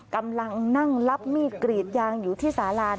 กำลังนั่งรับมีดกรีดยางอยู่ที่สาลาน